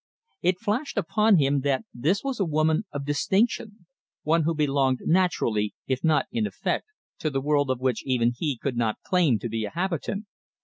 It flashed upon him that this was a woman of distinction, one who belonged naturally, if not in effect, to the world of which even he could not claim to be a habitant.